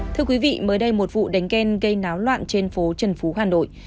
thưa quý vị mới đây một vụ đánh ghen gây náo loạn trên phố trần phú hà nội